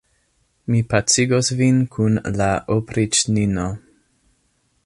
Mi pacigos vin kun la opriĉnino.